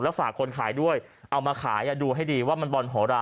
ฝากคนขายด้วยเอามาขายดูให้ดีว่ามันบอลโหรา